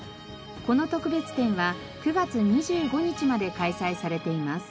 この特別展は９月２５日まで開催されています。